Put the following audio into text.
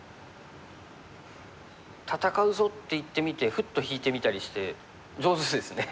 戦うぞって言ってみてふっと引いてみたりして上手ですね。